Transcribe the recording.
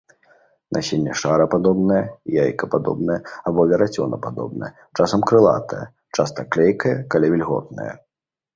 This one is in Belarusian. Насенне шарападобнае, яйкападобнае або верацёнападобнае, часам крылатае, часта клейкае, калі вільготнае.